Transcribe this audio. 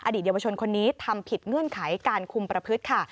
เยาวชนคนนี้ทำผิดเงื่อนไขการคุมประพฤติค่ะ